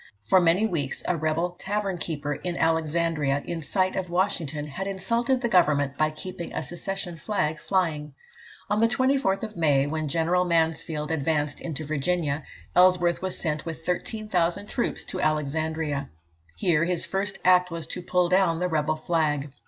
For many weeks, a rebel tavern keeper in Alexandria, in sight of Washington, had insulted the Government by keeping a secession flag flying. On the 24th May, when General Mansfield advanced into Virginia, Ellsworth was sent with 13,000 troops to Alexandria. Here his first act was to pull down the rebel flag.